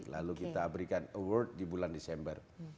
lalu kita berikan award di bulan desember